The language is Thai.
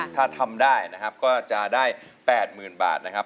ถ้าทำได้นะครับก็จะได้๘๐๐๐บาทนะครับ